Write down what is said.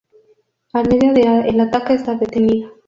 Al mediodía el ataque está detenido.